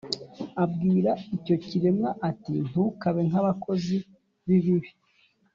abwira icyo kiremwa ati ntukabe nkabakozi bi bibi